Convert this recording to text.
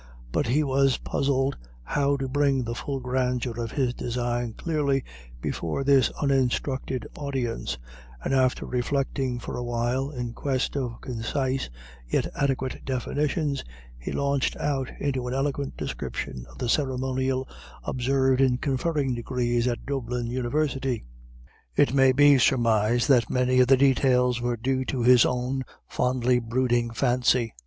But he was puzzled how to bring the full grandeur of his design clearly before this uninstructed audience, and after reflecting for a while in quest of concise yet adequate definitions, he launched out into an eloquent description of the ceremonial observed in conferring degrees at Dublin University. It may be surmised that many of the details were due to his own fondly brooding fancy.